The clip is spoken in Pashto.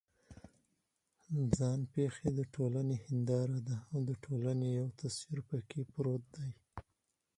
ځان پېښې د ټولنې هنداره ده او د ټولنې یو تصویر پکې پروت دی.